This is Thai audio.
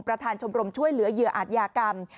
ชมรมช่วยเหลือเหยื่ออาจยากรรม